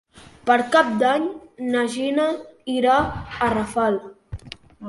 Per Cap d'Any na Gina irà a Rafal.